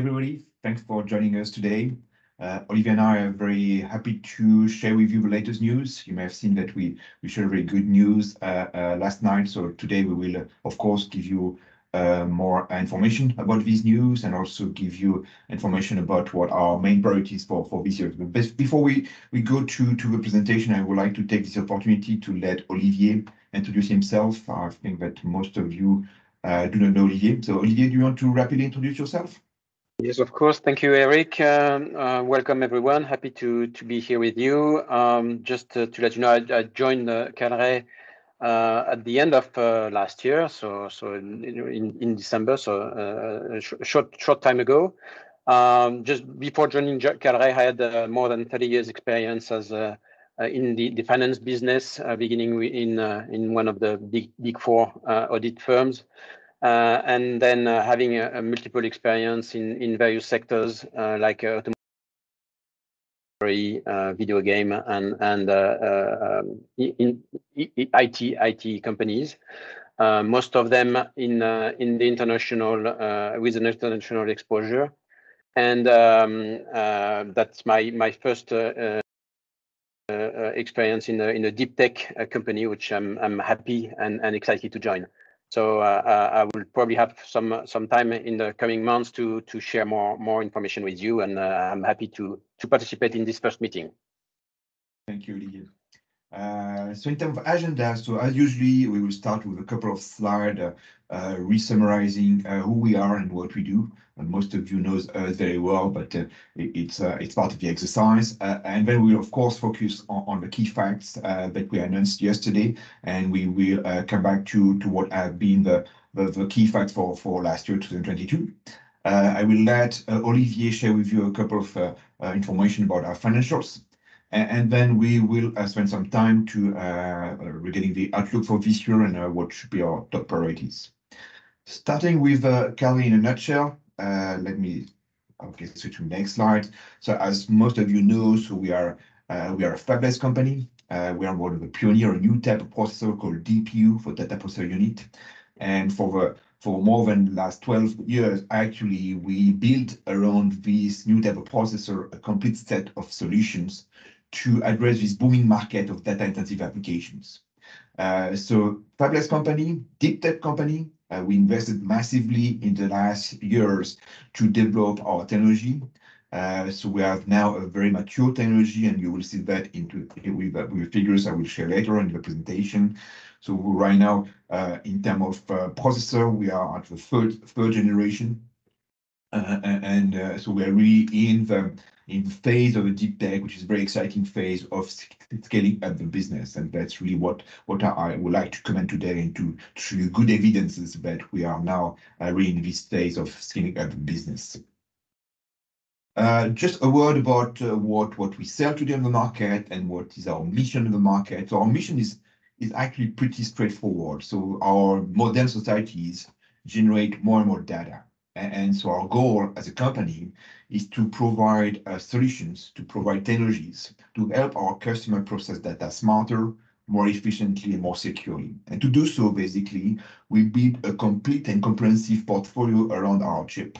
Everybody, thanks for joining us today. Olivier and I are very happy to share with you the latest news. You may have seen that we share very good news last night. Today we will, of course, give you more information about this news and also give you information about what our main priorities for this year. Before we go to the presentation, I would like to take this opportunity to let Olivier introduce himself. I think that most of you do not know him. Olivier, do you want to rapidly introduce yourself? Yes, of course. Thank you, Eric. Welcome everyone. Happy to be here with you. Just to let you know, I joined Kalray at the end of last year, so in December, short time ago. Just before joining Kalray, I had more than 30 years experience as in the finance business, beginning with in one of the Big Four audit firms. Then having a multiple experience in various sectors, like video game and IT companies. Most of them in the international, with an international exposure. That's my first experience in a deep tech company, which I'm happy and excited to join. I will probably have some time in the coming months to share more information with you and, I'm happy to participate in this first meeting. Thank you, Olivier. In terms of agenda, as usually, we will start with a couple of slide re-summarizing who we are and what we do. Most of you knows us very well, but it's part of the exercise. We of course, focus on the key facts that we announced yesterday, we will come back to what have been the key facts for last year, 2022. I will let Olivier share with you a couple of information about our financials, and then we will spend some time to regarding the outlook for this year and what should be our top priorities. Starting with Kalray in a nutshell, switch to next slide. As most of you know, we are a fabless company. We are one of the pioneer a new type of processor called DPU, for Data Processing Unit. For more than last 12 years, actually, we built around this new type of processor, a complete set of solutions to address this booming market of data-intensive applications. Fabless company, deep tech company. We invested massively in the last years to develop our technology. We have now a very mature technology, and you will see that into with figures I will share later in the presentation. Right now, in term of processor, we are at the third generation. We are really in the phase of a deep tech, which is very exciting phase of scaling up the business, and that's really what I would like to comment today and to show you good evidences that we are now really in this phase of scaling up the business. Just a word about what we sell today on the market and what is our mission in the market. Our mission is actually pretty straightforward. Our modern societies generate more and more data. Our goal as a company is to provide solutions, to provide technologies to help our customer process data smarter, more efficiently and more securely. To do so, basically, we build a complete and comprehensive portfolio around our chip.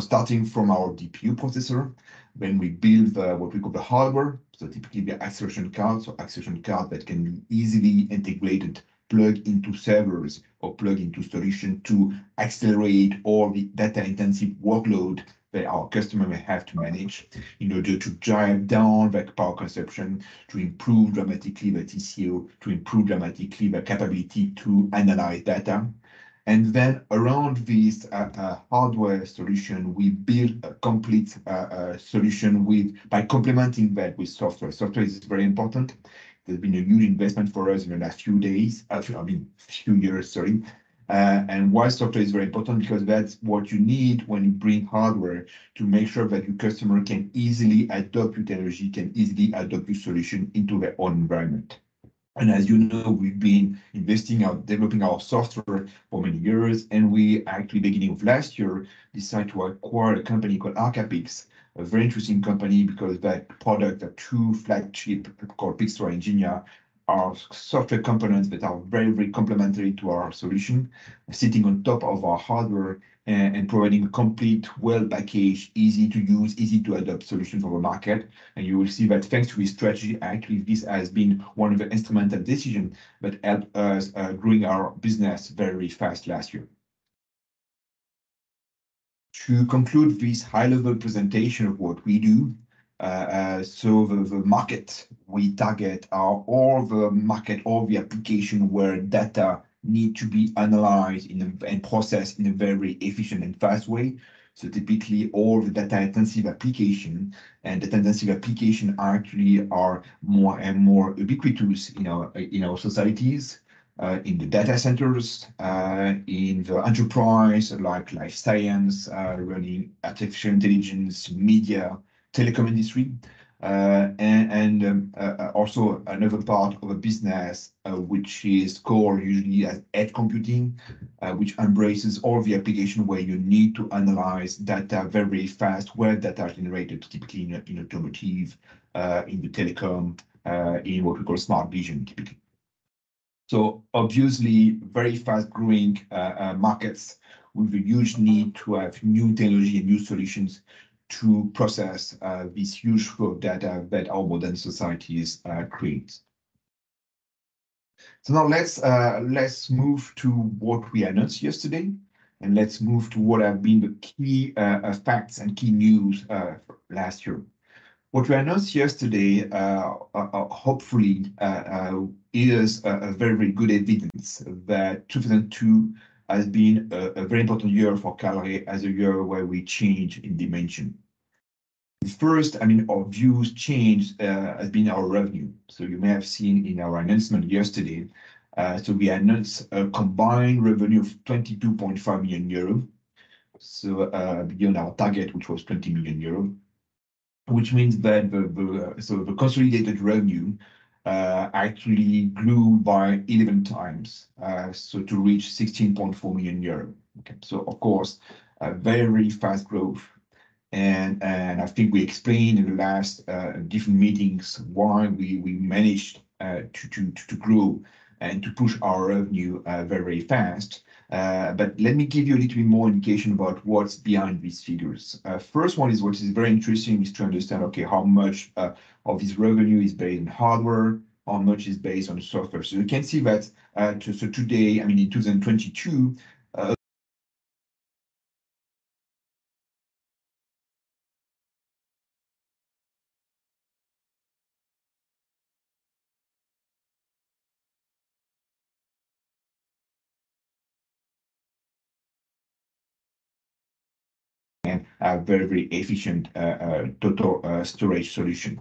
Starting from our DPU processor, when we build the, what we call the hardware, so typically the acceleration card, so acceleration card that can be easily integrated, plugged into servers or plugged into solution to accelerate all the data-intensive workload that our customer may have to manage in order to drive down the power consumption, to improve dramatically the TCO, to improve dramatically the capability to analyze data. Then around this hardware solution, we build a complete solution by complementing that with software. Software is very important. There's been a huge investment for us in the last I mean, few years, sorry. Why software is very important, because that's what you need when you bring hardware to make sure that your customer can easily adopt your technology, can easily adopt your solution into their own environment. As you know, we've been investing, developing our software for many years. We actually, beginning of last year, decided to acquire a company called Arcapix, a very interesting company because that product, the two flagship called Pixstor and Ngenea are software components that are very, very complementary to our solution, sitting on top of our hardware and providing a complete well package, easy to use, easy to adopt solution for the market. You will see that thanks to his strategy, actually, this has been one of the instrumental decision that help us growing our business very fast last year. To conclude this high-level presentation of what we do, so the market we target are all the market, all the application where data need to be analyzed and processed in a very efficient and fast way. Typically, all the data-intensive application, and data-intensive application actually are more and more ubiquitous in our societies, in the data centers, in the enterprise like life science, really artificial intelligence, media, telecom industry. Also another part of a business, which is called usually as edge computing, which embraces all the application where you need to analyze data very fast, where data is generated, typically in automotive, in the telecom, in what we call smart vision typically. Obviously, very fast growing markets with a huge need to have new technology and new solutions to process this huge flow of data that our modern societies create. Let's move to what we announced yesterday, and let's move to what have been the key facts and key news last year. What we announced yesterday is a very, very good evidence that 2022 has been a very important year for Kalray as a year where we change in dimension. First, I mean, our views change has been our revenue. So you may have seen in our announcement yesterday, we announced a combined revenue of 22.5 million euro. So beyond our target, which was 20 million euro, which means that the consolidated revenue actually grew by 11 times to reach 16.4 million euro. Okay. Of course, a very fast growth and I think we explained in the last different meetings why we managed to grow and to push our revenue very fast. Let me give you a little bit more indication about what's behind these figures. First one is, which is very interesting, is to understand, okay, how much of this revenue is based on hardware, how much is based on software. You can see that, so today, I mean in 2022. A very, very efficient total storage solution.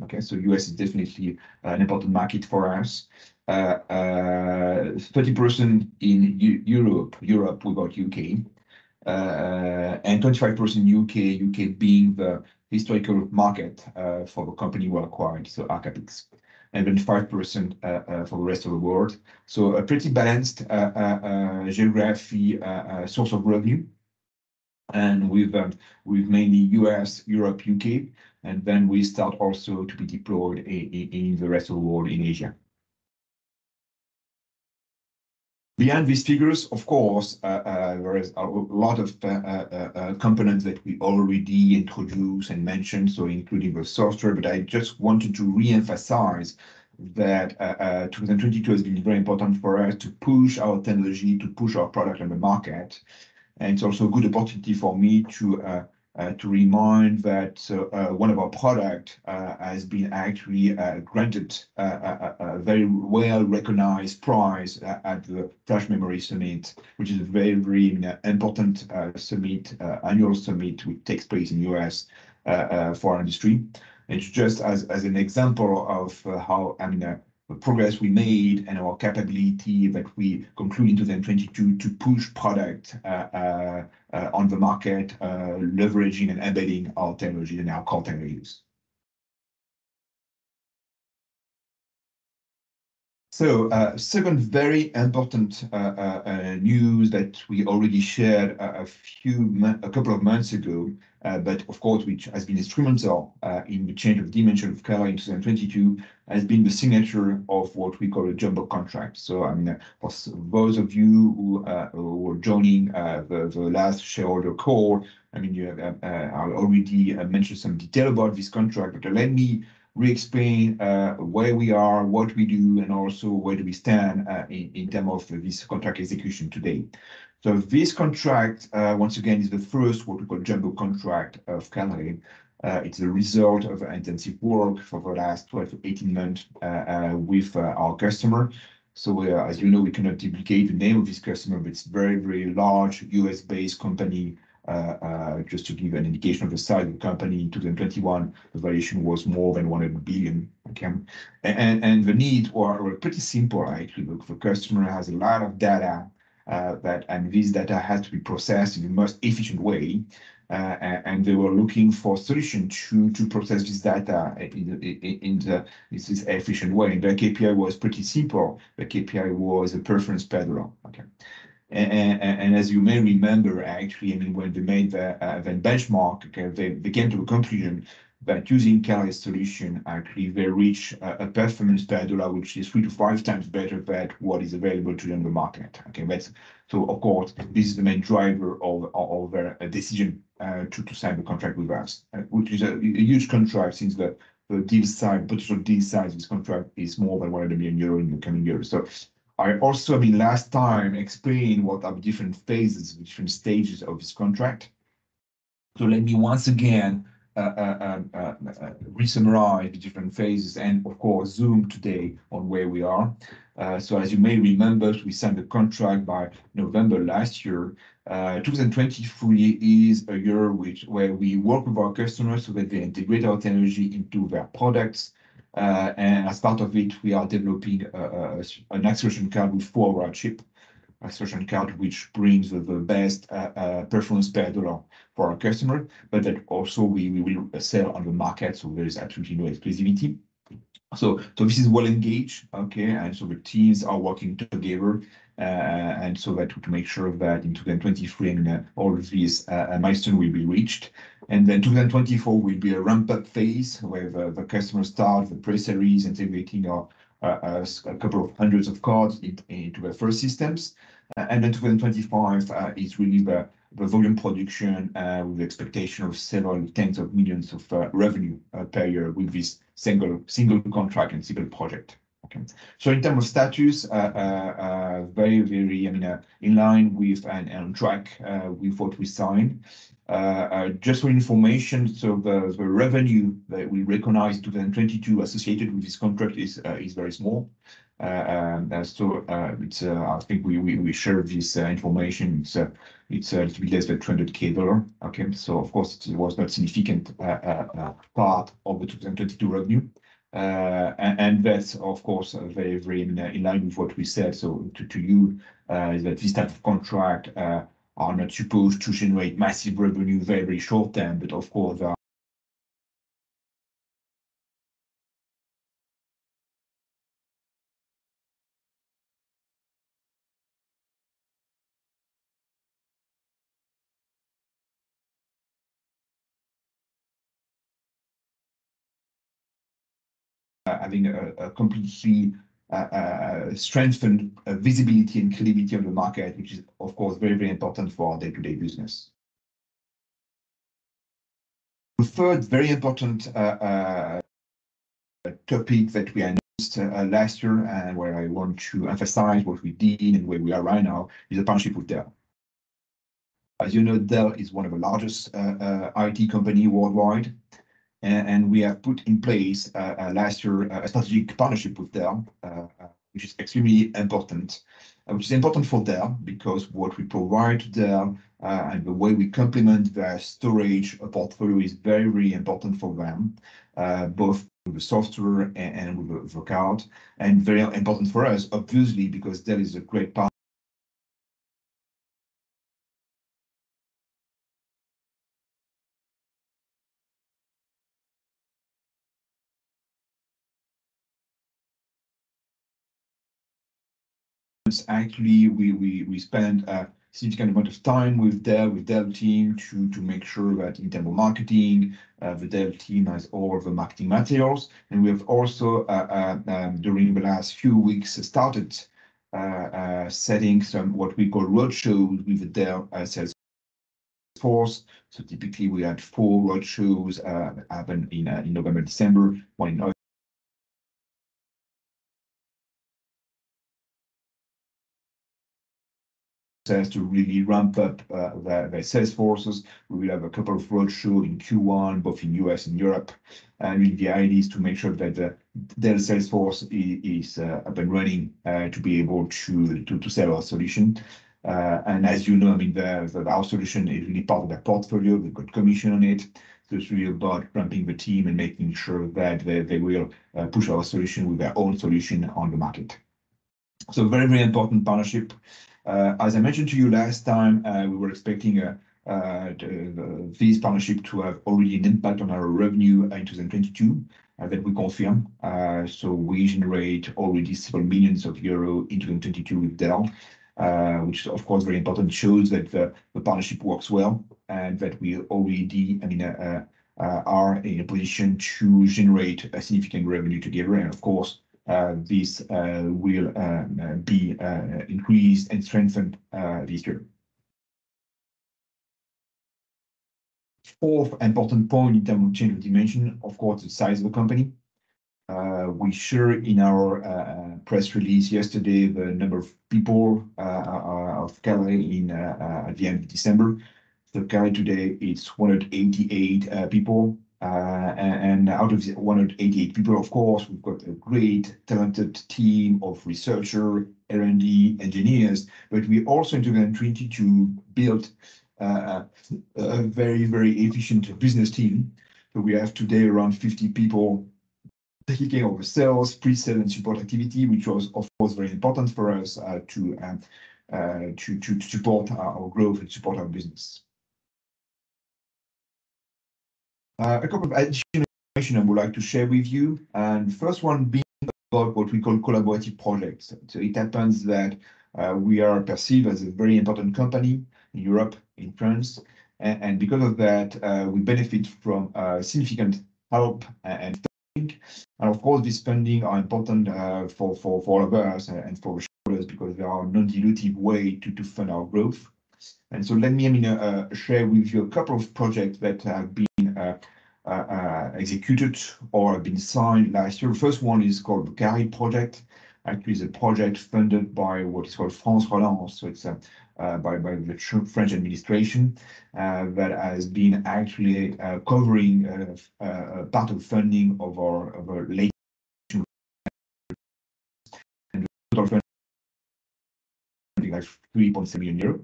Revenue with relatively support and services. U.S. is definitely an important market for us. 30% in Europe without U.K. 25% U.K., U.K. being the historical market for the company we acquired, so Arcapix. Then 5% for the rest of the world. A pretty balanced geography source of revenue. With mainly U.S., Europe, U.K., we start also to be deployed in the rest of the world in Asia. Behind these figures, of course, there is a lot of components that we already introduced and mentioned, so including the software. I just wanted to reemphasize that 2022 has been very important for us to push our technology, to push our product on the market. It's also a good opportunity for me to remind that one of our product has been actually granted a very well-recognized prize at the Flash Memory Summit, which is a very important annual summit, which takes place in U.S. for our industry. It's just as an example of how, I mean, the progress we made and our capability that we conclude in 2022 to push product on the market, leveraging and embedding our technology and our core values. Second very important news that we already shared a couple of months ago, but of course, which has been instrumental in the change of dimension of Kalray in 2022, has been the signature of what we call a jumbo contract. I mean, for those of you who were joining the last shareholder call, I mean, I already mentioned some detail about this contract, but let me re-explain where we are, what we do, and also where do we stand in terms of this contract execution today. This contract once again is the first what we call jumbo contract of Kalray. It's the result of intensive work for the last 12 to 18 months with our customer. We are, as you know, we cannot duplicate the name of this customer. It's very, very large U.S.-based company. Just to give an indication of the size of the company, in 2021, the valuation was more than $100 billion. Okay. The need were pretty simple actually. The customer has a lot of data, and this data had to be processed in the most efficient way. And they were looking for solution to process this data. This is efficient way. The KPI was pretty simple. The KPI was a performance per dollar. Okay. As you may remember actually, I mean, when they made the benchmark, they came to a conclusion that using Kalray solution, actually they reach a performance per dollar which is three to five times better than what is available to them in the market. Okay. Of course, this is the main driver of their decision to sign the contract with us, which is a huge contract since the deal size, potential deal size of this contract is more than 100 million euro in the coming years. I also, I mean last time, explained what are the different phases, different stages of this contract. So let me once again resummarize the different phases and of course zoom today on where we are. As you may remember, we signed a contract by November last year. 2023 is a year where we work with our customers so that they integrate our technology into their products. As part of it, we are developing an acceleration card with four of our chip. Acceleration card which brings the best performance per dollar for our customer, that also we will sell on the market, there is actually no exclusivity. This is well engaged. Okay? The teams are working together to make sure that in 2023, I mean, all these milestone will be reached. 2024 will be a ramp-up phase, where the customer start the pre-series, integrating a couple of hundreds of cards into the first systems. 2025 is really the volume production with expectation of several tens of millions of revenue per year with this single contract and single project. Okay. In terms of status, very, I mean, in line with and on track with what we signed. Just for information, so the revenue that we recognized 2022 associated with this contract is very small. I think we share this information, so it's little bit less than $200,000. Okay. Of course it was not significant part of the 2022 revenue. And that's of course very in line with what we said. To you is that this type of contract are not supposed to generate massive revenue very short-term, but of course I mean, a completely strengthened visibility and credibility on the market, which is, of course, very important for our day-to-day business. The third very important topic that we announced last year, and where I want to emphasize what we did and where we are right now, is the partnership with Dell. As you know, Dell is one of the largest IT company worldwide. We have put in place last year a strategic partnership with Dell, which is extremely important. Which is important for Dell, because what we provide Dell, and the way we complement their storage portfolio is very important for them, both with the software and with the card. Very important for us, obviously, because Dell is a great part... Actually, we spend a significant amount of time with Dell team to make sure that in terms of marketing, the Dell team has all of the marketing materials. We have also during the last few weeks started setting some what we call roadshow with the Dell sales force. Typically we had four roadshows happen in November and December. One in Au... tends to really ramp up, the sales forces. We will have a couple of roadshow in Q1, both in U.S. and Europe. The idea is to make sure that the Dell sales force is up and running to be able to sell our solution. As you know, I mean, our solution is really part of their portfolio. We've got commission on it. It's really about ramping the team and making sure that they will push our solution with their own solution on the market. Very, very important partnership. As I mentioned to you last time, we were expecting this partnership to have already an impact on our revenue in 2022. That we confirm. We generate already several millions of EUR in 2022 with Dell, which of course very important, shows that the partnership works well and that we already, I mean, are in a position to generate a significant revenue together. Of course, this will be increased and strengthened this year. Fourth important point in terms of change of dimension, of course, the size of the company. We share in our press release yesterday the number of people of Kalray in at the end of December. Kalray today is 188 people. Out of the 188 people, of course, we've got a great talented team of researcher, R&D engineers. We also in 2022 built a very, very efficient business team. We have today around 50 people taking over sales, pre-sales, and support activity, which was of course very important for us to support our growth and support our business. A couple of additional information I would like to share with you, and first one being about what we call collaborative projects. It happens that we are perceived as a very important company in Europe, in France. Because of that, we benefit from significant help and funding. Of course these funding are important for us and for shareholders because they are non-dilutive way to fund our growth. Let me, I mean, share with you a couple of projects that have been executed or been signed last year. First one is called [IP-CUBE] project. Actually is a project funded by what is called France Relance, so it's by the French administration. But has been actually covering a part of funding of our, of our late like three-point million EUR.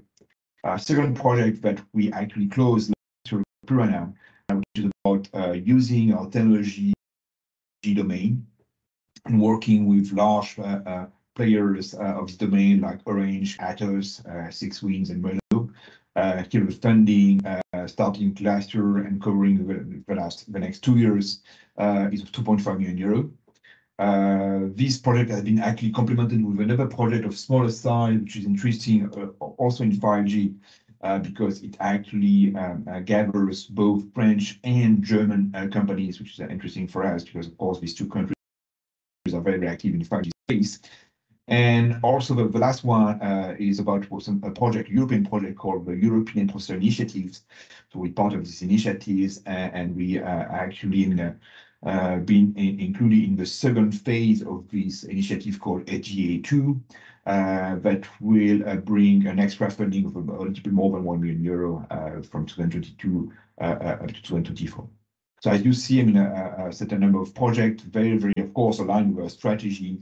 Our second project that we actually closed which is about using our technology domain and working with large players of domain like Orange, Atos, 6WIND and Melo. Actually was funding starting last year and covering the next two years, is 2.5 million euro. This project has been actually complemented with another project of smaller size, which is interesting, also in 5G, because it actually gathers both French and German companies, which is interesting for us because, of course, these two countries are very active in the 5G space. The last one is about a European project called the European Processor Initiative. We're part of this initiatives, and we actually included in the second phase of this initiative called HGA2, that will bring an extra funding of a little bit more than 1 million euro from 2022 to 2024. I do see, I mean, a certain number of projects very, very of course aligned with our strategy,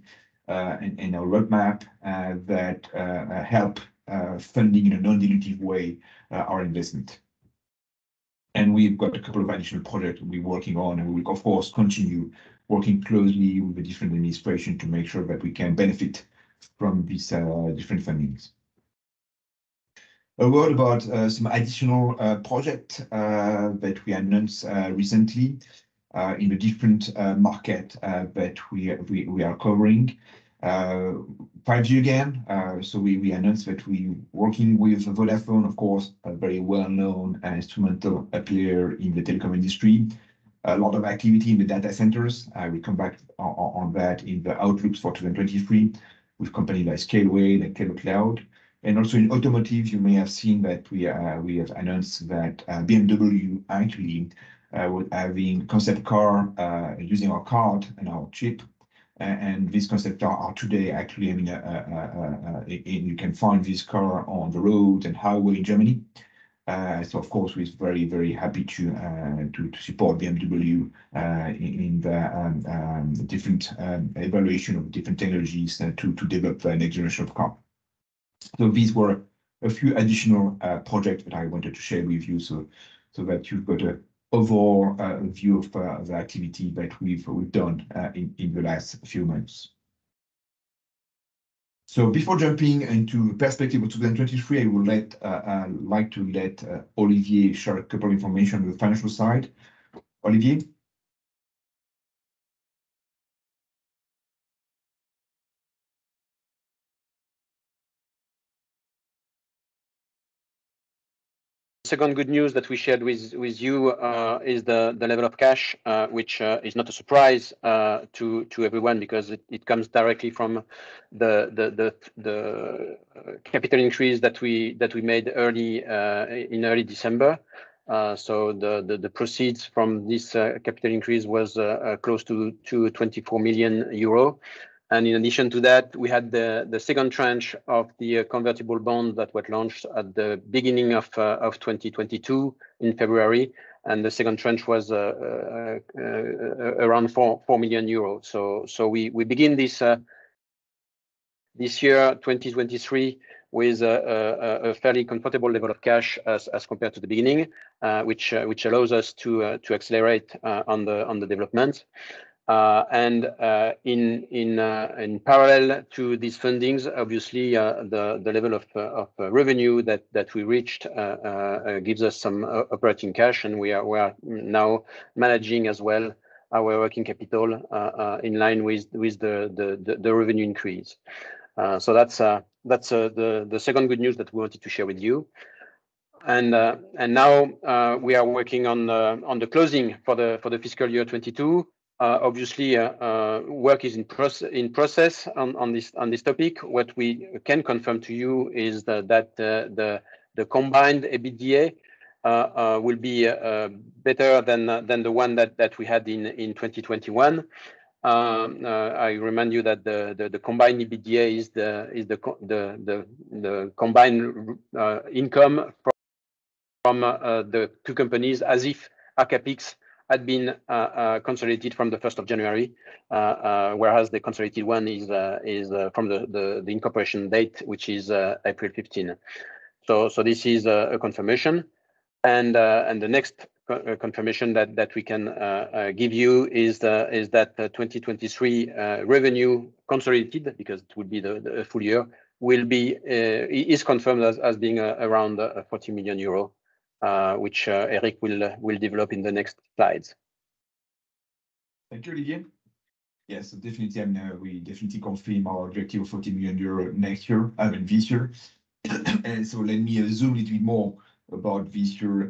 and our roadmap, that help funding in a non-dilutive way, our investment. We've got a couple of additional projects we're working on, and we will of course continue working closely with the different administration to make sure that we can benefit from these different fundings. A word about some additional project that we announced recently in a different market that we are covering. 5G again. We announced that we working with Vodafone, of course, a very well-known and instrumental player in the telecom industry. A lot of activity in the data centers. We come back on that in the outlooks for 2023 with company like Scaleway, like TeleCloud. Also in automotive you may have seen that we have announced that BMW actually will have in concept car using our card and our chip. This concept car today actually, I mean, you can find this car on the road and highway in Germany. Of course we're very, very happy to support BMW in the different evaluation of different technologies and to develop the next generation of car. These were a few additional project that I wanted to share with you so that you've got a overall view of the activity that we've done in the last few months. Before jumping into perspective of 2023, I will let Olivier share a couple information on the financial side. Olivier? Second good news that we shared with you is the level of cash which is not a surprise to everyone because it comes directly from the capital increase that we made early in early December. The proceeds from this capital increase was close to 24 million euro. In addition to that, we had the second tranche of the convertible bond that was launched at the beginning of 2022 in February. The second tranche was around 4 million euros. We begin this year, 2023, with a fairly comfortable level of cash as compared to the beginning, which allows us to accelerate on the development. In parallel to these fundings, obviously, the level of revenue that we reached gives us some operating cash, and we are now managing as well our working capital in line with the revenue increase. That's the second good news that we wanted to share with you. Now, we are working on the closing for the fiscal year 2022. Obviously, work is in process on this topic. What we can confirm to you is that the combined EBITDA will be better than the one that we had in 2021. I remind you that the combined EBITDA is the combined income from the two companies, as if Arcapix had been consolidated from the 1st of January, whereas the consolidated one is from the incorporation date, which is April 15. This is a confirmation. The next confirmation that we can give you is that the 2023 revenue consolidated, because it would be the full year, is confirmed as being around 40 million euro, which Eric will develop in the next slides. Thank you, Olivier. Yes, definitely. I mean, we definitely confirm our objective of 40 million euro next year, I mean this year. Let me zoom a little bit more about this year,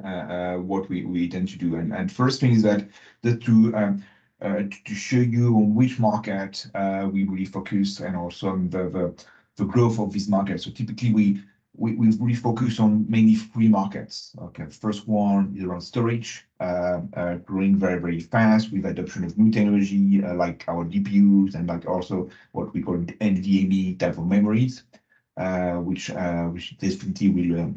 what we intend to do. First thing is that to show you on which market we really focus and also on the growth of this market. Typically we focus on mainly three markets. Okay. First one is around storage, growing very, very fast with adoption of new technology, like our DPUs and like also what we call NVMe type of memories. Which definitely will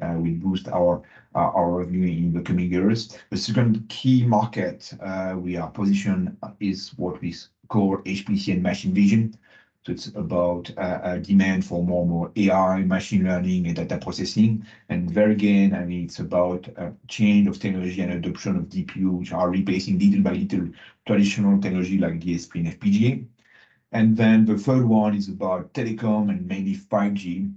boost our revenue in the coming years. The second key market we are positioned is what we call HPC and machine vision. It's about a demand for more and more AI and machine learning and data processing. There again, I mean, it's about a change of technology and adoption of DPU, which are replacing little by little traditional technology like DSP and FPGA. The third one is about telecom and mainly 5G.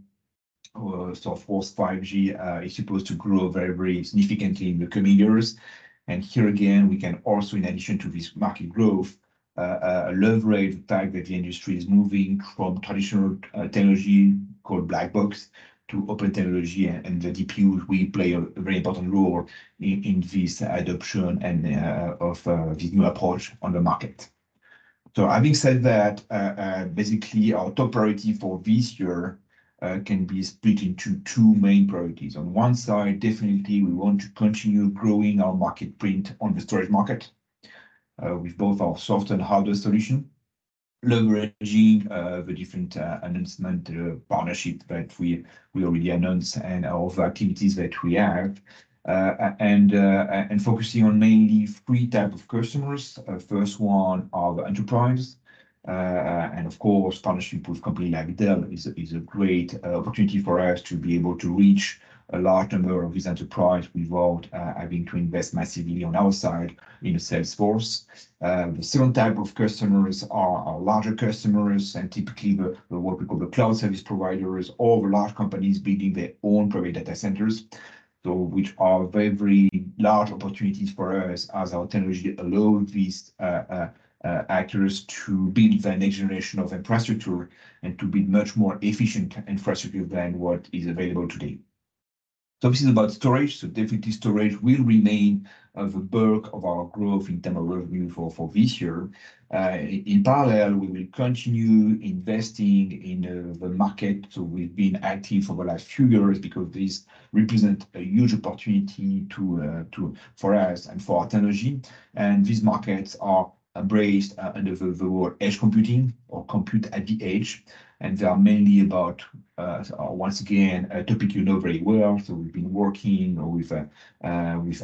Of course, 5G is supposed to grow very, very significantly in the coming years. Here again, we can also, in addition to this market growth, leverage the fact that the industry is moving from traditional technology called black box to open technology, and the DPU will play a very important role in this adoption and of this new approach on the market. Having said that, basically our top priority for this year can be split into two main priorities. On one side, definitely we want to continue growing our market print on the storage market, with both our soft and hardware solution, leveraging the different announcement, partnership that we already announced and of activities that we have. Focusing on mainly three type of customers. First one are the enterprise. Of course, partnership with company like Wistron is a great opportunity for us to be able to reach a large number of this enterprise without having to invest massively on our side in a sales force. The second type of customers are our larger customers and typically what we call the cloud service providers, all the large companies building their own private data centers. Which are very large opportunities for us as our technology allow these actors to build the next generation of infrastructure and to build much more efficient infrastructure than what is available today. This is about storage. Definitely storage will remain the bulk of our growth in term of revenue for this year. In parallel, we will continue investing in the market we've been active for the last few years because this represent a huge opportunity to for us and for our technology. These markets are embraced under the word edge computing or compute at the edge. They are mainly about once again, a topic you know very well. We've been working with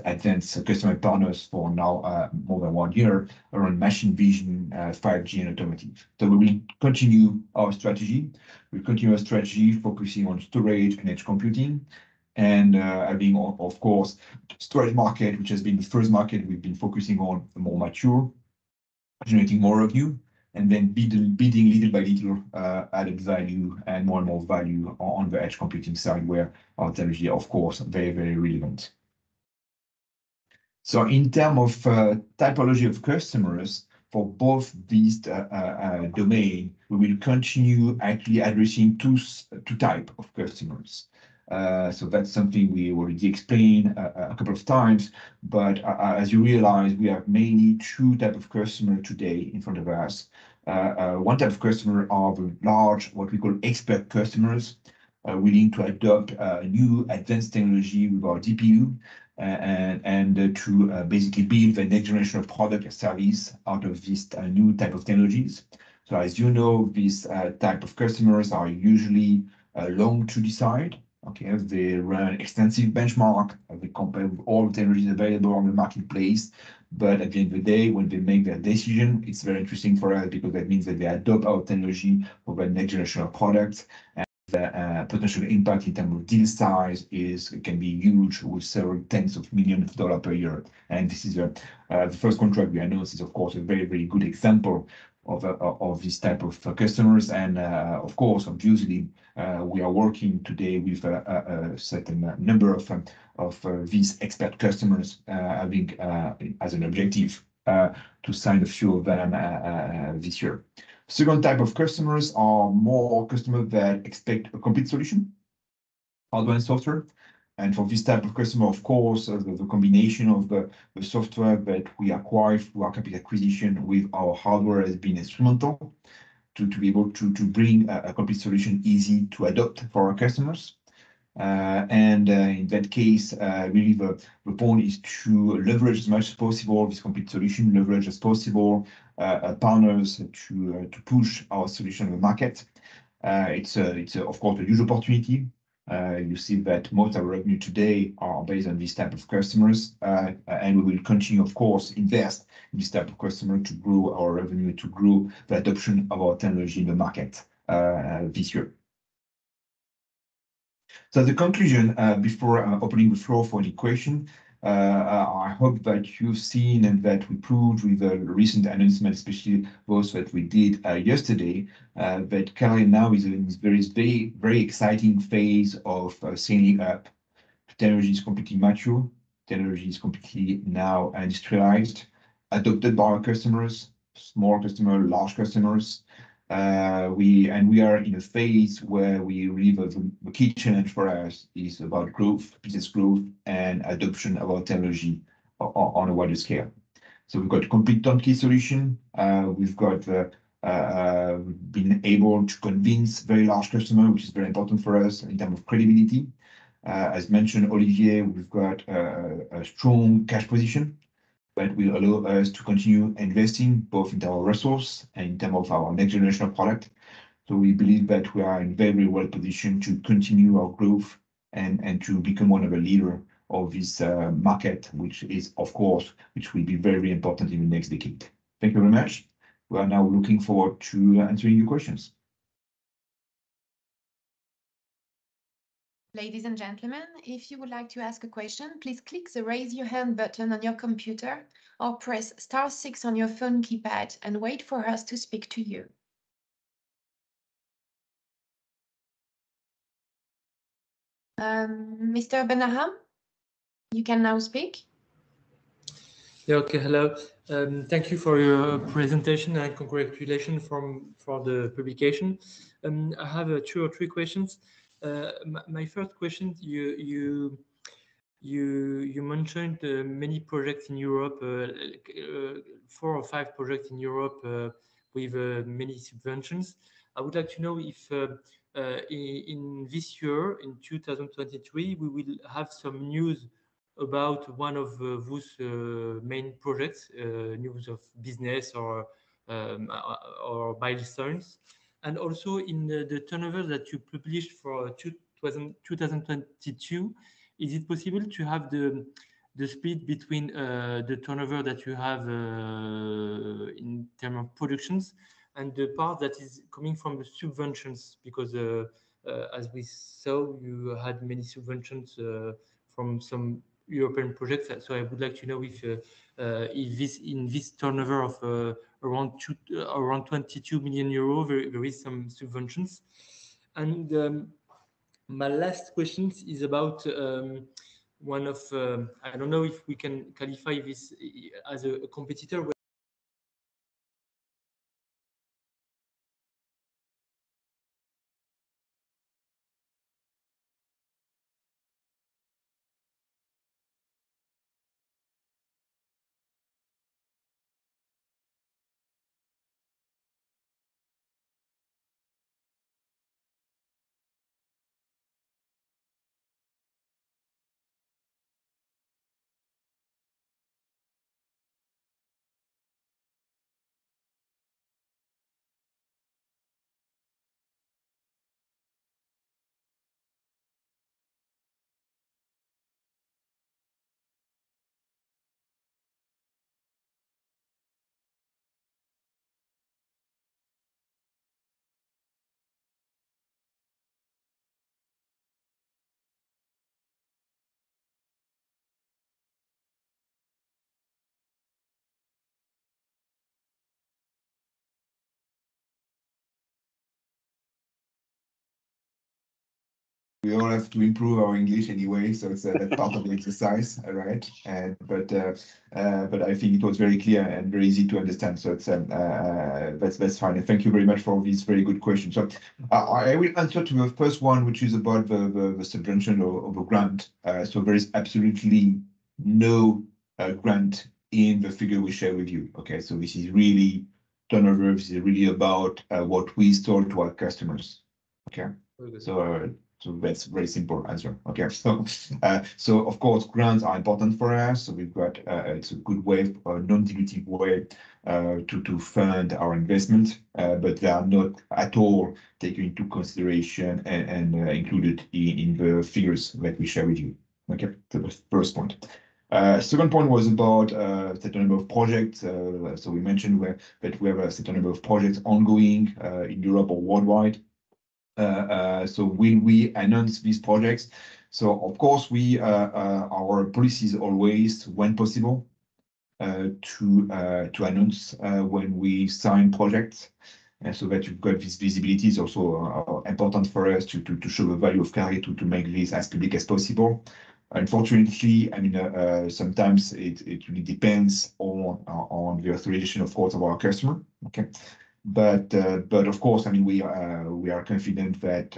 advanced customer partners for now more than one year around machine vision, 5G and automotive. We will continue our strategy. We continue our strategy focusing on storage and edge computing and, having of course, storage market, which has been the first market we've been focusing on, more mature, generating more revenue, and then building little by little, added value and more and more value on the edge computing side where our technology, of course, very, very relevant. In term of typology of customers, for both these domain, we will continue actually addressing two type of customers. That's something we already explained a couple of times. As you realize, we have mainly two type of customer today in front of us. One type of customer are large, what we call expert customers, willing to adopt new advanced technology with our DPU and to basically build the next generation of product and service out of this new type of technologies. As you know, these type of customers are usually long to decide, okay. As they run extensive benchmark, they compare with all the technologies available on the marketplace. At the end of the day, when they make their decision, it's very interesting for us because that means that they adopt our technology for the next generation of products. The potential impact in terms of deal size is, can be huge, with several tens of millions of EUR per year. This is the first contract we announced is of course a very, very good example of this type of customers. Of course, obviously, we are working today with a certain number of these expert customers, having as an objective to sign a few of them this year. Second type of customers are more customer that expect a complete solution, hardware and software. For this type of customer, of course, the combination of the software that we acquired through our capital acquisition with our hardware has been instrumental to be able to bring a complete solution easy to adopt for our customers. In that case, really the point is to leverage as much as possible this complete solution, leverage as possible partners to push our solution in the market. It's a, of course, a huge opportunity. You see that most of our revenue today are based on this type of customers. We will continue, of course, invest this type of customer to grow our revenue, to grow the adoption of our technology in the market this year. The conclusion, before opening the floor for any question, I hope that you've seen and that we proved with the recent announcement, especially those that we did yesterday, that Kalray now is in this very big, very exciting phase of scaling up. Technology is completely mature. Technology is completely now industrialized, adopted by our customers, small customer, large customers. We are in a phase where we believe that the key challenge for us is about growth, business growth and adoption of our technology on a wider scale. We've got a complete turnkey solution. We've got, we've been able to convince very large customer, which is very important for us in terms of credibility. As mentioned, Olivier, we've got a strong cash position. Will allow us to continue investing both in our resource and in terms of our next generational product. We believe that we are in very well positioned to continue our growth and to become one of the leader of this market, which is, of course, which will be very important in the next decade. Thank you very much. We are now looking forward to answering your questions. Ladies and gentlemen, if you would like to ask a question, please click the Raise Your Hand button on your computer or press star six on your phone keypad and wait for us to speak to you. Mr. Benham, you can now speak. Yeah. Okay. Hello. Thank you for your presentation, and congratulations for the publication. I have two or three questions. My first question, you mentioned many projects in Europe, four or five projects in Europe, with many subventions. I would like to know if in this year, in 2023, we will have some news about one of those main projects, news of business or milestones. Also in the turnover that you published for 2022, is it possible to have the split between the turnover that you have in term of productions and the part that is coming from the subventions? Because as we saw, you had many subventions from some European projects. I would like to know if, in this turnover of, around 22 million euro, there is some subventions. My last questions is about one of... I don't know if we can qualify this as a competitor where- We all have to improve our English anyway, so it's part of the exercise, right? I think it was very clear and very easy to understand, so it's, that's fine. Thank you very much for these very good questions. I will answer to the first one, which is about the, the subvention of a grant. There is absolutely no grant in the figure we share with you. Okay? This is really turnover. This is really about what we sold to our customers. Okay? Okay. That's very simple answer. Okay. Of course, grants are important for us. We've got, it's a good way, a non-dilutive way, to fund our investment, but they are not at all taken into consideration and included in the figures that we share with you. Okay. The first point. Second point was about the number of projects. We mentioned that we have a certain number of projects ongoing in Europe or worldwide. Will we announce these projects? Of course we, our policy's always when possible, to announce when we sign projects, so that you've got this visibility. It's also important for us to show the value of Kalray to make this as public as possible. Unfortunately, I mean, it really depends on the authorization, of course, of our customer. Okay. Of course, I mean, we are confident that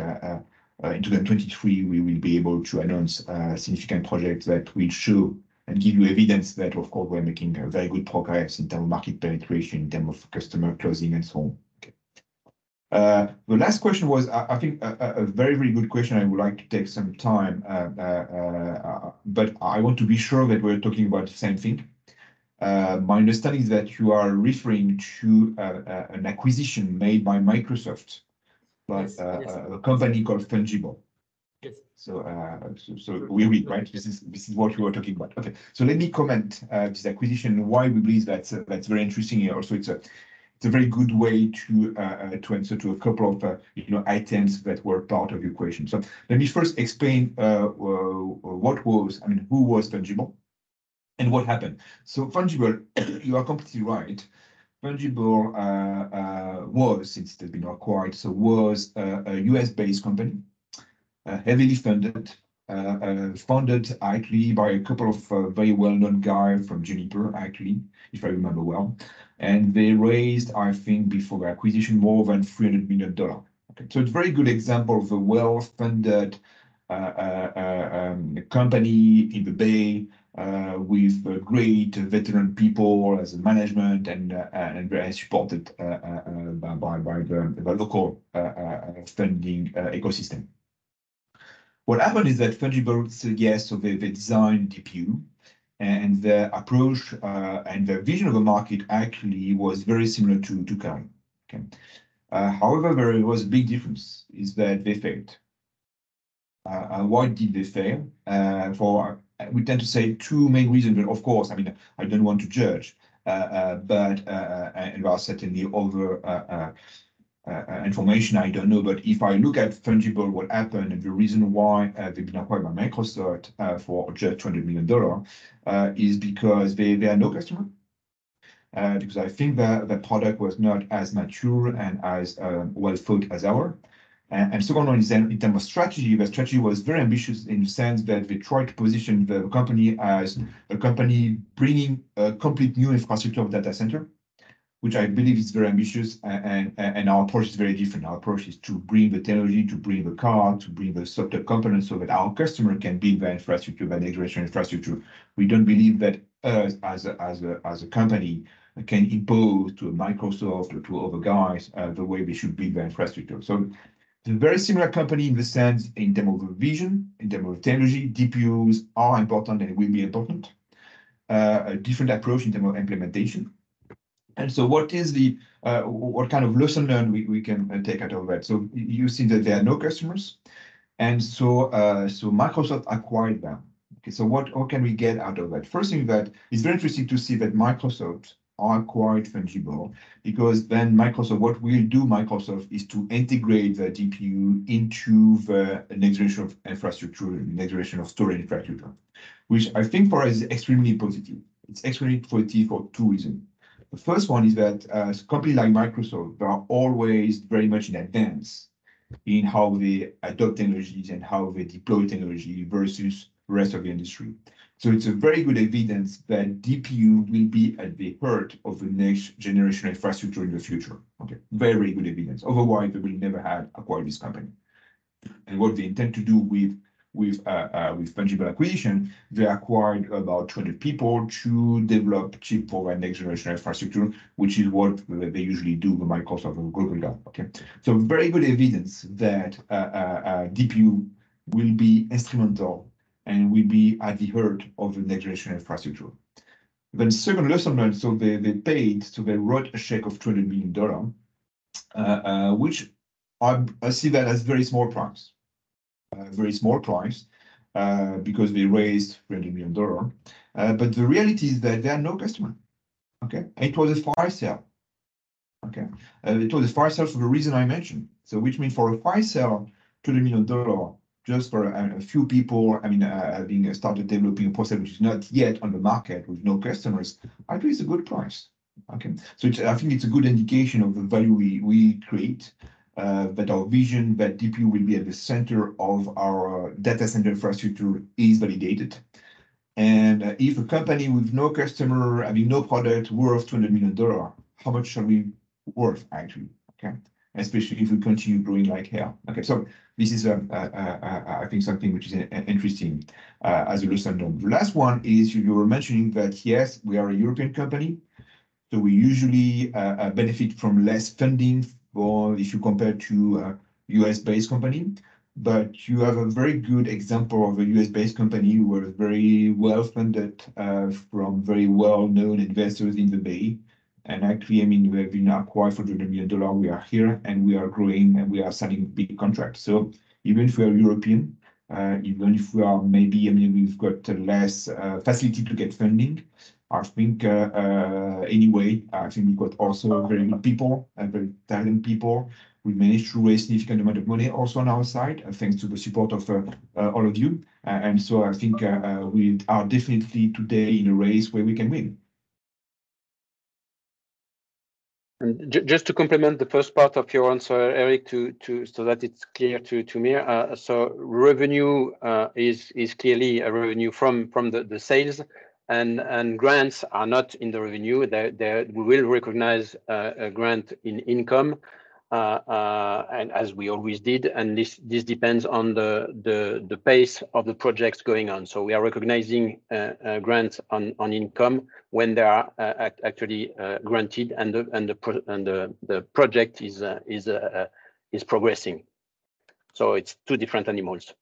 in 2023 we will be able to announce significant projects that will show and give you evidence that of course we are making very good progress in term of market penetration, in term of customer closing and so on. Okay. The last question was I think a very good question. I would like to take some time, I want to be sure that we're talking about the same thing. My understanding is that you are referring to an acquisition made by Microsoft. Yes. Yes. A company called Fungible. Yes. We will, right? This is what you are talking about. Okay. Let me comment this acquisition, why we believe that's very interesting here. Also it's a very good way to answer to a couple of, you know, items that were part of your question. Let me first explain, I mean, who was Fungible and what happened. Fungible, you are completely right. Fungible, was, it's, you know, acquired, so was a U.S.-based company, heavily funded actually by a couple of very well-known guy from Juniper, actually, if I remember well. They raised, I think, before the acquisition more than $300 million. Okay. It's a very good example of a well-funded company in the Bay, with great veteran people as management and very supported by the local funding ecosystem. What happened is that Fungible suggests of a design DPU and their approach and their vision of the market actually was very similar to Qarnot, okay? However, there was a big difference, is that they failed. Why did they fail? For... We tend to say two main reasons, but of course, I mean, I don't want to judge. But whilst certainly other information I don't know, but if I look at Fungible, what happened, and the reason why they've been acquired by Microsoft for just $200 million, is because they had no customer. Because I think their product was not as mature and as well-thought as our. And second one is in term of strategy, their strategy was very ambitious in the sense that they tried to position the company as a company bringing a complete new infrastructure of data center, which I believe is very ambitious and our approach is very different. Our approach is to bring the technology, to bring the card, to bring the software components so that our customer can build the infrastructure, the next-generation infrastructure. We don't believe that us as a company can impose to a Microsoft or to other guys, the way we should build the infrastructure. It's a very similar company in the sense in terms of the vision, in terms of technology. DPUs are important and will be important. A different approach in terms of implementation. What is the, what kind of lesson learned we can take out of that? You see that there are no customers, Microsoft acquired them. Okay, what can we get out of that? First thing that it's very interesting to see that Microsoft acquired Fungible, because Microsoft will integrate the DPU into the next generation of infrastructure, the next generation of storage infrastructure. Which I think for us is extremely positive. It's extremely positive for two reason. The first one is that, a company like Microsoft are always very much in advance in how they adopt technologies and how they deploy technology versus rest of the industry. It's a very good evidence that DPU will be at the heart of the next-generation infrastructure in the future, okay? Very good evidence. Otherwise, they will never have acquired this company. What they intend to do with Fungible acquisition, they acquired about 200 people to develop chip for a next-generation infrastructure, which is what they usually do, the Microsoft and Google done. Okay? Very good evidence that DPU will be instrumental and will be at the heart of the next-generation infrastructure. Second lesson learned, they paid, they wrote a check of $200 million, which I see that as very small price. Very small price, because they raised $200 million. The reality is that they had no customer. Okay? It was a fire sale. Okay? It was a fire sale for the reason I mentioned. Which mean for a fire sale, $200 million just for a few people, I mean, having started developing a process which is not yet on the market with no customers, I think it's a good price. Okay? I think it's a good indication of the value we create, that our vision that DPU will be at the center of our data center infrastructure is validated. If a company with no customer, I mean, no product worth $200 million, how much shall we worth actually? Okay. Especially if we continue growing like hell. Okay. So this is, I think something which is interesting as a lesson learned. The last one is you were mentioning that yes, we are a European company, so we usually benefit from less funding if you compare to a U.S.-based company. But you have a very good example of a U.S.-based company who was very well-funded from very well-known investors in the Bay. And actually, I mean, we have been acquired for $200 million. We are here, and we are growing, and we are signing big contracts. Even if we are European, even if we are maybe, I mean, we've got less facility to get funding, I think, anyway, I think we've got also very good people and very talented people. We managed to raise significant amount of money also on our side, thanks to the support of all of you. I think we are definitely today in a race where we can win. Just to complement the first part of your answer, Eric, to so that it's clear to me. Revenue is clearly a revenue from the sales. Grants are not in the revenue. We will recognize a grant in income and as we always did, and this depends on the pace of the projects going on. We are recognizing grants on income when they are actually granted and the project is progressing. It's two different animals.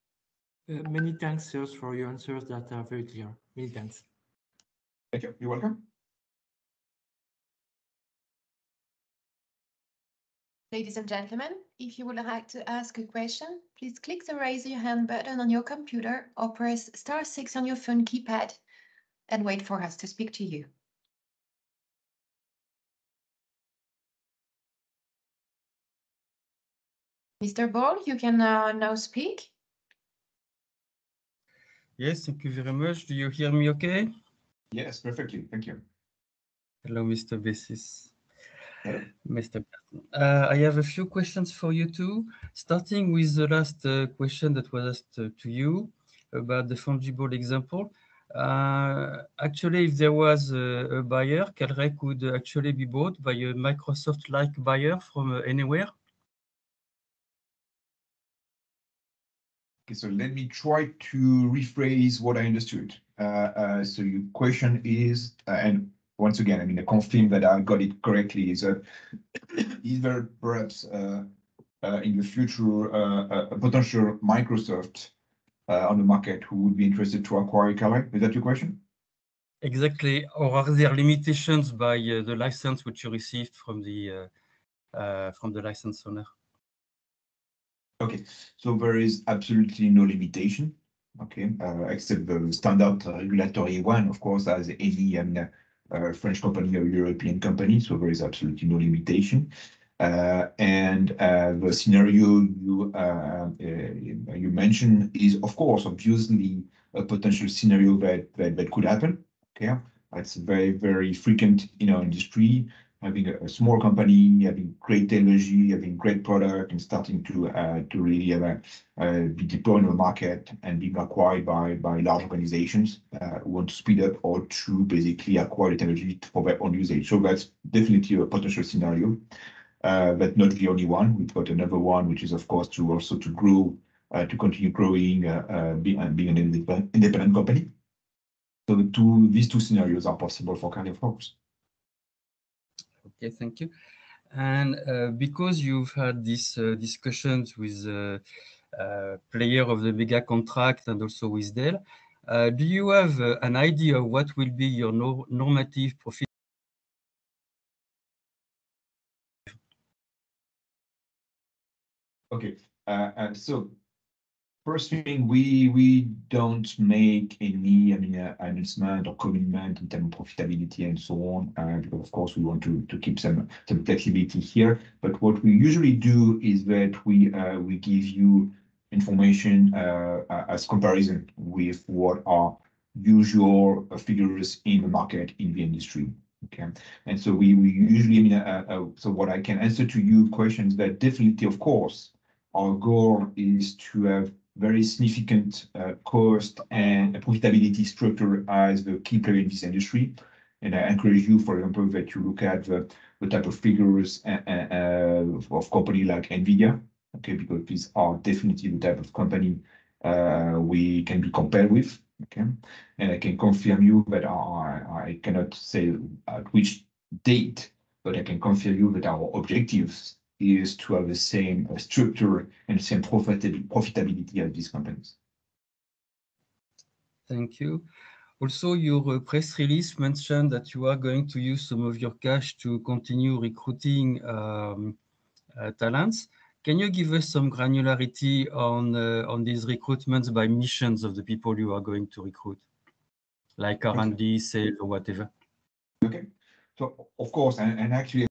Many thanks to you for your answers that are very clear. Many thanks. Thank you. You're welcome. Ladies and gentlemen, if you would like to ask a question, please click the Raise Your Hand button on your computer or press star six on your phone keypad and wait for us to speak to you. Mr. Bolle, you can now speak. Yes, thank you very much. Do you hear me okay? Yes, perfectly. Thank you. Hello, Mr. Bassius. Mr. Carton. I have a few questions for you two, starting with the last question that was asked to you about the Fungible example. Actually, if there was a buyer, Kalray could actually be bought by a Microsoft-like buyer from anywhere? Okay. Let me try to rephrase what I understood. Your question is, once again, I mean, confirm that I've got it correctly, is that- Is there perhaps in the future a potential Microsoft on the market who would be interested to acquire Kalray? Is that your question? Exactly. Are there limitations by the license which you received from the license owner? Okay. There is absolutely no limitation. Okay? Except the standard regulatory one, of course, as any French company or European company. There is absolutely no limitation. The scenario you mentioned is, of course, obviously a potential scenario that could happen. Okay? That's very, very frequent in our industry, having a small company, having great technology, having great product, and starting to really be deployed on the market and being acquired by large organizations who want to speed up or to basically acquire the technology for their own usage. That's definitely a potential scenario, but not the only one. We've got another one, which is of course to also to grow, to continue growing, being an independent company. These two scenarios are possible for Kalray folks. Okay, thank you. Because you've had these discussions with player of the mega contract and also with Dell, do you have an idea of what will be your normative profit? Okay. First thing, we don't make any, I mean, announcement or commitment in terms of profitability and so on, because of course we want to keep some flexibility here. What we usually do is that we give you information as comparison with what our usual figures in the market in the industry. Okay? We, we usually... I mean, so what I can answer to you questions that definitely, of course, our goal is to have very significant cost and profitability structure as the key player in this industry. I encourage you, for example, that you look at the type of figures of company like Nvidia. Okay. These are definitely the type of company we can be compared with. Okay? I can confirm you that our... I cannot say at which date, I can confirm you that our objectives is to have the same structure and same profitability as these companies. Thank you. Your press release mentioned that you are going to use some of your cash to continue recruiting talents. Can you give us some granularity on these recruitments by missions of the people you are going to recruit? Like R&D, sales or whatever. Okay. Of course, and actually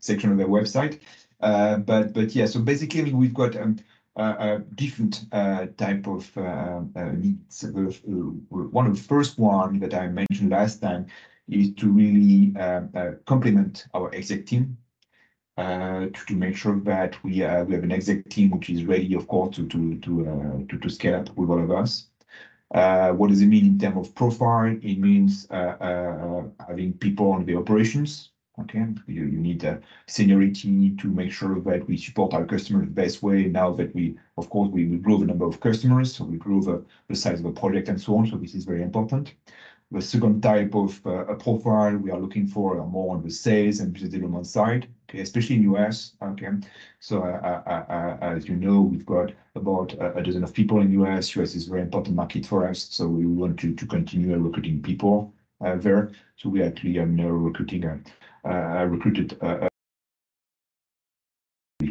section of their website. But, but yeah. Basically, we've got a different type of needs. One of the first one that I mentioned last time is to really complement our exec team to make sure that we have an exec team which is ready, of course, to scale up with all of us. What does it mean in terms of profile? It means having people on the operations. Okay. You need a seniority to make sure that we support our customer the best way. Of course, we will grow the number of customers, so we grow the size of the project and so on. This is very important. The second type of profile we are looking for are more on the sales and business development side, especially in U.S. Okay. As you know, we've got about 12 people in U.S. U.S. is very important market for us, so we want to continue recruiting people there. We actually are now recruiting. We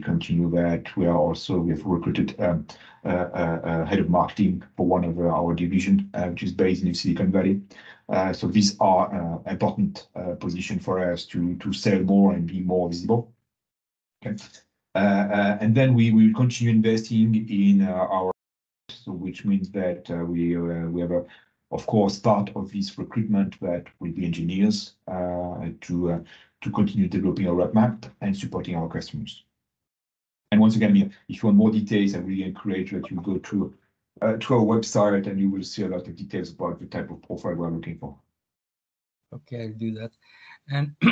continue that. We have recruited a head of marketing for one of our division, which is based in Silicon Valley. These are important position for us to sell more and be more visible. Okay. Then we will continue investing in our so which means that we have a, of course, start of this recruitment that will be engineers to continue developing our roadmap and supporting our customers. Once again, if you want more details, I really encourage that you go to our website and you will see a lot of details about the type of profile we are looking for. Okay, I'll do that.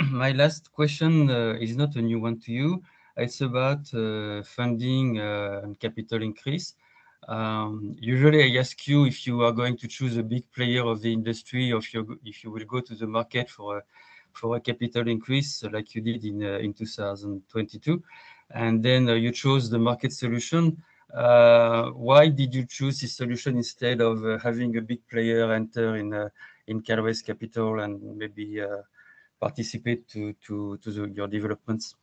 My last question is not a new one to you. It's about funding and capital increase. Usually I ask you if you are going to choose a big player of the industry or if you will go to the market for a capital increase like you did in 2022, you chose the market solution. Why did you choose this solution instead of having a big player enter in Kalray's capital and maybe participate to your developments?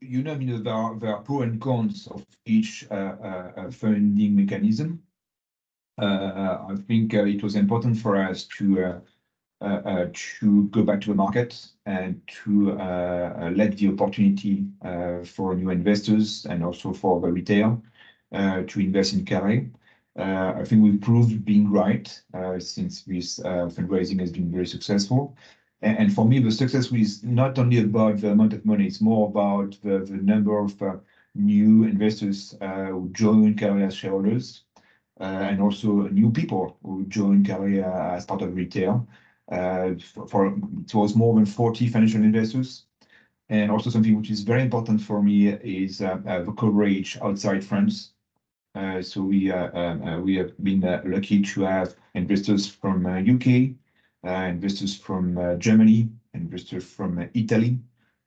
You know, I mean, there are pros and cons of each funding mechanism. I think it was important for us to go back to the market and to let the opportunity for new investors and also for the retail to invest in Kalray. I think we've proved being right since this fundraising has been very successful. For me, the success is not only about the amount of money, it's more about the number of new investors who join Kalray shareholders. Also new people who join Kalray as part of retail towards more than 40 financial investors. Also something which is very important for me is the coverage outside France. We have been lucky to have investors from U.K., investors from Germany, investors from Italy.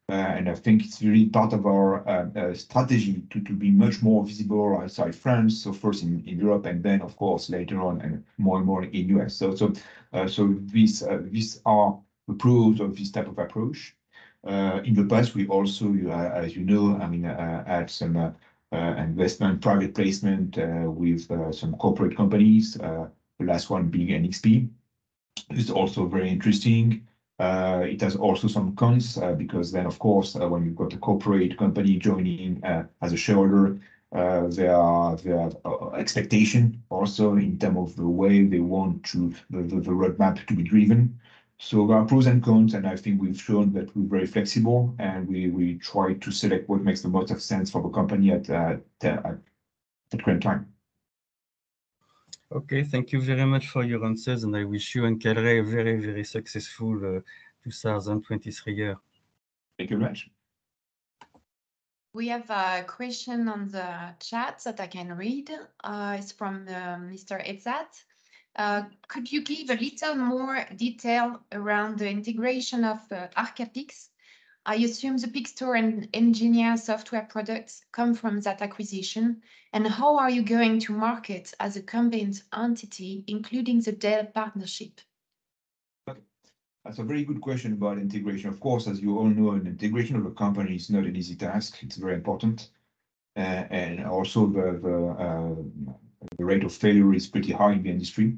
I think it's really part of our strategy to be much more visible outside France. First in Europe and then of course, later on and more and more in U.S. This are approved of this type of approach. In the past we've also, as you know, I mean, had some investment, private placement, with some corporate companies, the last one being NXP. It's also very interesting. It has also some cons because then of course when you've got a corporate company joining, as a shareholder, their expectation also in term of the way they want to the roadmap to be driven. There are pros and cons, and I think we've shown that we're very flexible and we try to select what makes the most sense for the company at current time. Okay. Thank you very much for your answers. I wish you and Kalray a very, very successful 2023 year. Thank you very much. We have a question on the chat that I can read. It's from Mr. Ezat. Could you give a little more detail around the integration of the Arcapix? I assume the Pixstor and Ngenea software products come from that acquisition. How are you going to market as a combined entity, including the Dell partnership? Okay. That's a very good question about integration. Of course, as you all know, an integration of a company is not an easy task. It's very important. And also the rate of failure is pretty high in the industry.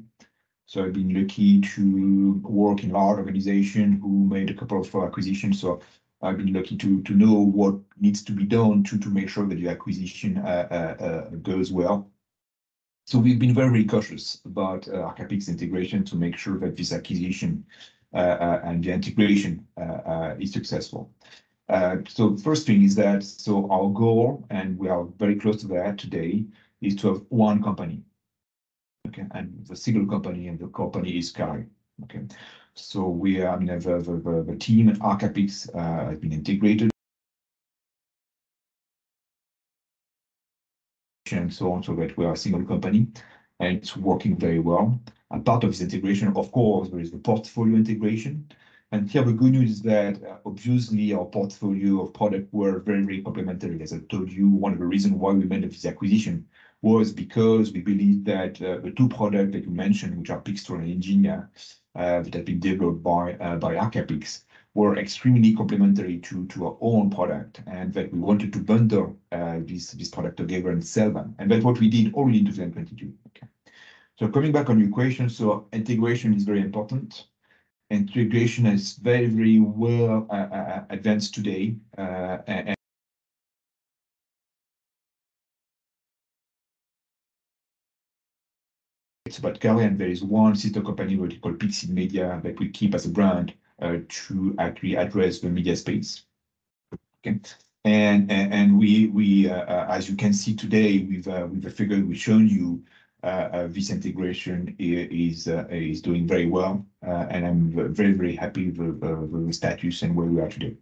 I've been lucky to work in large organization who made a couple of acquisitions. I've been lucky to know what needs to be done to make sure that the acquisition goes well. We've been very cautious about Arcapix integration to make sure that this acquisition and the integration is successful. First thing is that our goal, and we are very close to that today, is to have one company. Okay? The single company, and the company is Kalray. Okay. We are, I mean, the, the team at Arcapix have been integrated and so on. That we are a single company, and it's working very well. Part of this integration, of course, there is the portfolio integration. Here the good news is that obviously our portfolio of product were very complimentary. As I told you, one of the reason why we made this acquisition was because we believe that the two product that you mentioned, which are Pixstor and Ngenea, that have been developed by Arcapix, were extremely complimentary to to our own product and that we wanted to bundle this product together and sell them. That's what we did already in 2022. Okay. Coming back on your question, integration is very important. Integration is very, very well advanced today, and... It's about Kalray, there is one sister company what you call pixitmedia that we keep as a brand, to actually address the media space. Okay. We, as you can see today with the figure we've shown you, this integration is doing very well. I'm very happy with the status and where we are today.